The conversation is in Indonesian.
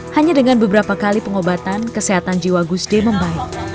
hanya dengan beberapa kali pengobatan kesehatan jiwa gusde membaik